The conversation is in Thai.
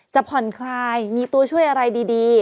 ผ่อนคลายมีตัวช่วยอะไรดี